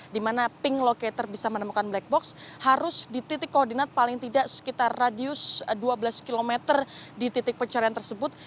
di mana ping locator bisa menemukan black box harus di titik koordinat paling tidak sekitar radius dua belas km di titik pencarian tersebut